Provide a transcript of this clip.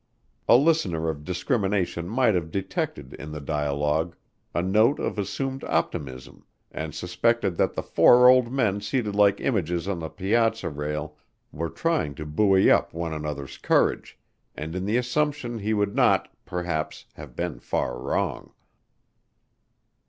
A listener of discrimination might have detected in the dialogue a note of assumed optimism and suspected that the four old men seated like images on the piazza rail were trying to buoy up one another's courage, and in the assumption he would not, perhaps, have been far wrong.